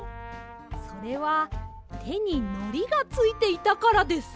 それはてにのりがついていたからです。